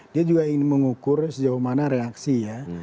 dia juga ingin mengukur sejauh mana reaksi ya